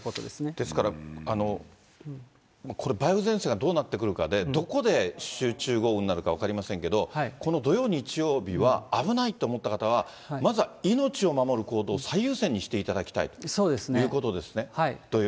ですから、これ、梅雨前線がどうなってくるかで、どこで集中豪雨になるか分かりませんけれど、この土曜、日曜日は危ないと思った方はまずは命を守る行動を最優先にしていそうですね。